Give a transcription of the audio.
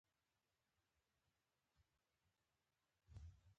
میلیونونه ناآشنا انسانان د ګډو موخو لپاره مرسته کوي.